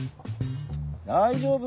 大丈夫！